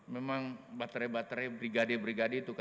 memang baterai baterai brigade brigadi itu kan